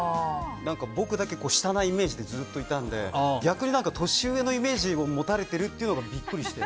僕だけ下なイメージでずっといたので逆に、年上のイメージを持たれてるっていうのがビックリして。